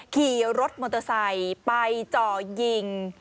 ขี่รถมอเตอร์ไซค์ไปจ่อยิง